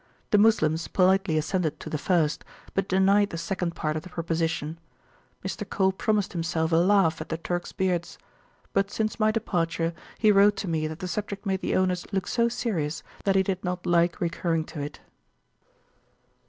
The Moslems politely assented to the first, but denied the second part of the proposition. Mr. Cole promised himself a laugh at the Turks beards; but since my departure, he wrote to me that the subject made the owners look so serious, that he did not like recurring to it.